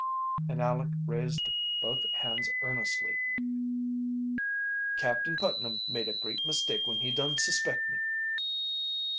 And Aleck raised both hands earnestly. "Captain Putnam made a great mistake when he dun suspect me."